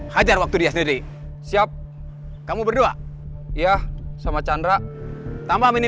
kalau maju nyatakan teman metode inti